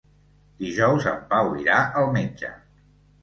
Dijous en Pau irà al metge.